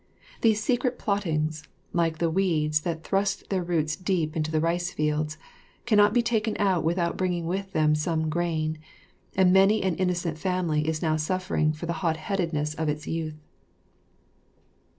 These secret plottings, like the weeds that thrust their roots deep into the rice fields, cannot be taken out without bringing with them some grain, and many an innocent family is now suffering for the hot headedness of its youth.